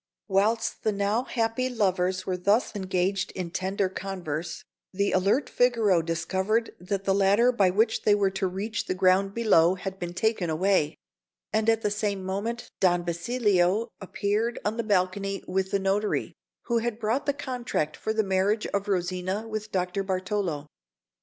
Whilst the now happy lovers were thus engaged in tender converse, the alert Figaro discovered that the ladder by which they were to reach the ground below had been taken away; and at the same moment Don Basilio appeared on the balcony with the notary, who had brought the contract for the marriage of Rosina with Dr. Bartolo.